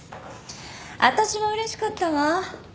私はうれしかったわ。